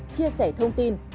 chia sẻ thông tin